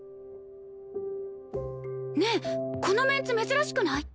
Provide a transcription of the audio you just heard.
ねえこのメンツ珍しくない？